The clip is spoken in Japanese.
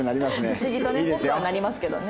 不思議とねっぽくはなりますけどね。